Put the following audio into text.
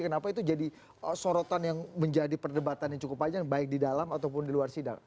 kenapa itu jadi sorotan yang menjadi perdebatan yang cukup panjang baik di dalam ataupun di luar sidang